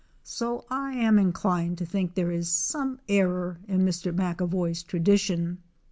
So I am inclined to think there is some error in Mr. MoAvoy 's tradition.